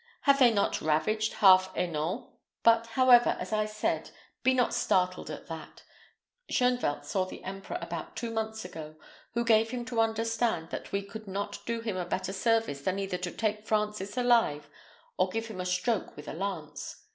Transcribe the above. Have they not ravaged half Hainault? But, however, as I said, be not startled at that. Shoenvelt saw the emperor about two months ago, who gave him to understand that we could not do him a better service than either to take Francis alive or give him a stroke with a lance.